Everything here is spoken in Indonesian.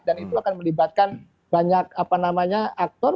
dan itu akan melibatkan banyak apa namanya aktor